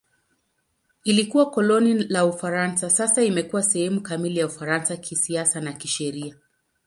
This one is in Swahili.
Ilikuwa koloni la Ufaransa; sasa imekuwa sehemu kamili ya Ufaransa kisiasa na kisheria.